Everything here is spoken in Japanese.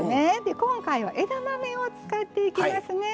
今回は枝豆を使っていきますね。